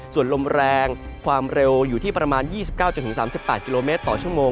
ส่วนลมแรงความเร็วอยู่ที่ประมาณ๒๙๓๘กิโลเมตรต่อชั่วโมง